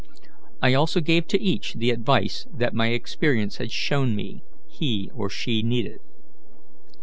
I also gave to each the advice that my experience had shown me he or she needed.